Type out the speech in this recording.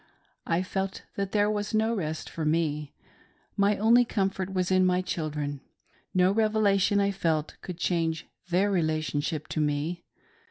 I felt that there was no rest for me. My only comfort was in my children ; no revelation, I felt, could change ikeir relationship to me.